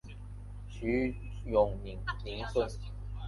徐永宁孙。